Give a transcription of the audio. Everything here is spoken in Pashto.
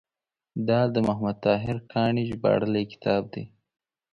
دا د محمد طاهر کاڼي ژباړلی کتاب دی.